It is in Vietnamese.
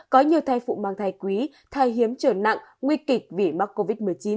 có nhiều thai phụ mang thai quý thai hiếm trở nặng nguy kịch vì mắc covid một mươi chín